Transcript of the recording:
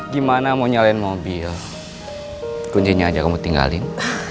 gimana mau nyalain mobil kuncinya aja kamu tinggalin